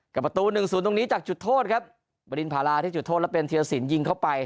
กับประตูหนึ่งศูนย์ตรงนี้จากจุดโทษครับบรินพาราที่จุดโทษแล้วเป็นธีรสินยิงเข้าไป